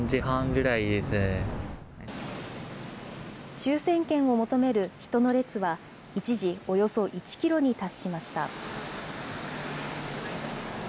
抽せん券を求める人の列は、一時およそ１キロに達しました。